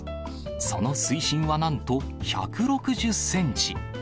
その水深はなんと１６０センチ。